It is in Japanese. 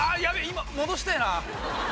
今戻してえな。